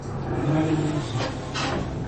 Maranhãozinho